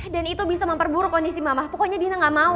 dan itu bisa memperburuk kondisi mama pokoknya dina gak mau